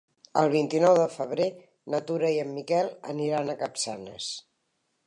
El vint-i-nou de febrer na Tura i en Miquel aniran a Capçanes.